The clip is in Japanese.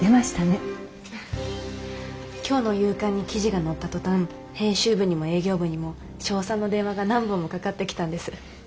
今日の夕刊に記事が載った途端編集部にも営業部にも称賛の電話が何本もかかってきたんです。